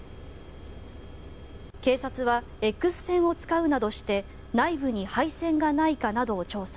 警察はＸ線を使うなどして内部に配線がないかなどを調査。